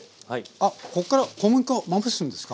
あこっから小麦粉をまぶすんですか？